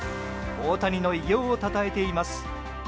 大谷の偉業をたたえています。